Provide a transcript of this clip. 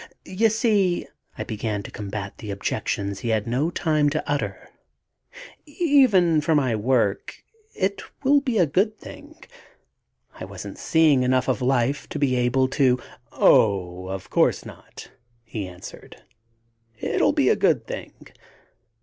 "You see," I began to combat the objections he had not had time to utter, "even for my work it will be a good thing I wasn't seeing enough of life to be able to...." "Oh, of course not," he answered "it'll be a good thing.